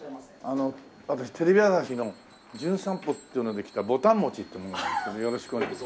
私テレビ朝日の『じゅん散歩』っていうので来たぼたん餅って者なんですけどよろしくお願いします。